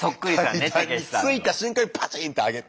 階段に着いた瞬間にパチンって上げて。